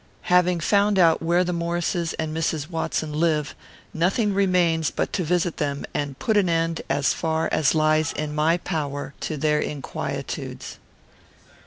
"Having found out where the Maurices and Mrs. Watson live, nothing remains but to visit them, and put an end, as far as lies in my power, to their inquietudes."